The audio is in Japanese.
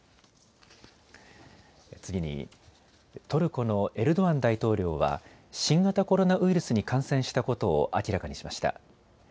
次にトルコのエルドアン大統領は新型コロナウイルスに感染したことを明らかにしました。